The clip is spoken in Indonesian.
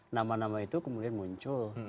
nama nama itu kemudian muncul